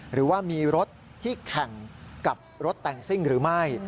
หรือว่ามีรถที่แข่งกับรถแต่งซิ่งหรือไม่